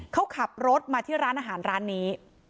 เขาขับรถมาที่ร้านอาหารร้านนี้